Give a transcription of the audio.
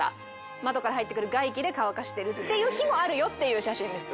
窓から入る外気で乾かしてる日もあるよ！っていう写真です。